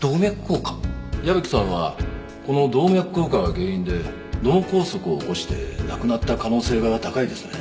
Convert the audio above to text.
矢吹さんはこの動脈硬化が原因で脳梗塞を起こして亡くなった可能性が高いですね。